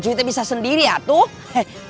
cucunya bisa sendiri atur